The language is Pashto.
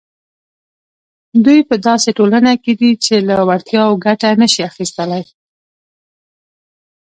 دوی په داسې ټولنه کې دي چې له وړتیاوو ګټه نه شي اخیستلای.